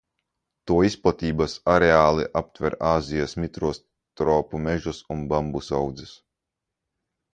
To izplatības areāli aptver Āzijas mitros tropu mežus un bambusu audzes.